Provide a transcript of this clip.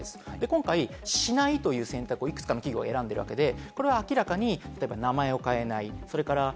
今回しないという選択をいくつかの企業は選んでいるわけで、これは明らかに名前を変えない。